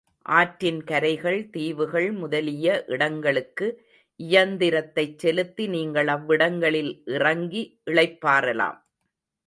ஆற்றின் கரைகள், தீவுகள் முதலிய இடங்களுக்கு இயந்திரத்தைச் செலுத்தி நீங்கள் அவ்விடங்களில் இறங்கி இளைப்பாறலாம்.